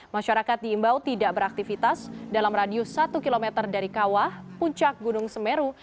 masyarakat diimbau tidak beraktivitas dalam radius satu km dari kawah puncak gunung semeru